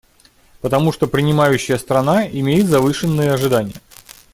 Потому что принимающая страна имеет завышенные ожидания.